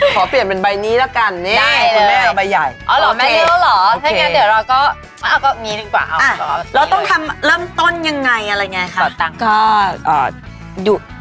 ขอเปลี่ยนเป็นใบนี้ละกัน